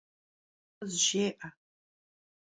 Khızjjê'e!